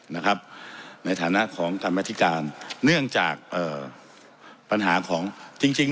นะครับในฐานะของกรรมธิการเนื่องจากเอ่อปัญหาของจริงจริง